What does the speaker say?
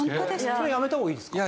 それやめた方がいいですか？